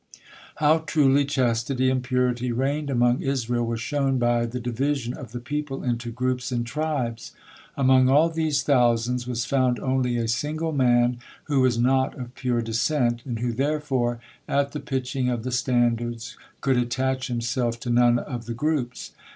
How truly chastity and purity reigned among Israel was shown by the division of the people into groups and tribes. Among all these thousands was found only a single man who was not of pure descent, and who therefore at the pitching of the standards could attach himself to none of the groups.